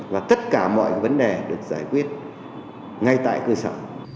và tất cả mọi vấn đề được giải quyết ngay tại cư xã